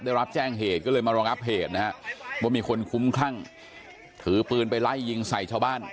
ได้รับแจ้งเหตุก็เลยมารองับเหตุนะฮะว่ามีคนคุ้มคลั่งถือปืนไปไล่ยิงใส่ชาวบ้าน